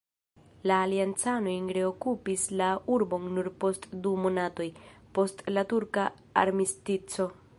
La aliancanoj reokupis la urbon nur post du monatoj, post la turka armistico.